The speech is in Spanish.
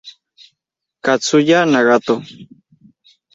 Katsuya Nagato